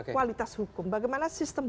kualitas hukum bagaimana sistem